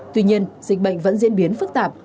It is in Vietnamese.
tuy nhiên dịch bệnh vẫn diễn biến phức tạp